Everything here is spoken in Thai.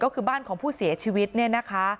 ก็คือบ้านของผู้เสียชีวิตเนี่ยนะคะ